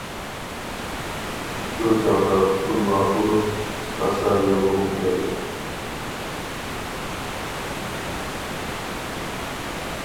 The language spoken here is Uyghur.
شۇ چاغدا پۇتۇمغا ئۇرۇپ راسا يىغلىغۇم كەلدى.